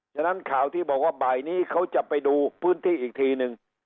ฉะนั้นข่าวที่บอกว่าบ่ายนี้เขาจะไปดูพื้นที่อีกทีนึง